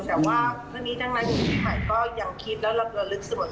แต่ว่าตอนนี้ดังนั้นพี่ใหม่ก็ยังคิดแล้วเราก็ลึกเสมอ